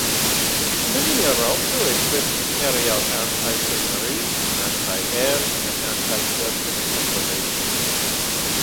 Many are also equipped to carry out anti-submarine, anti-air, and anti-surface operations.